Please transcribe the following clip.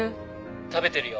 食べてるよ。